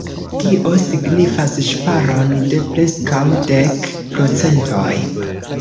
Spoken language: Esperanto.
Tio signifas ŝparon de preskaŭ dek procentoj.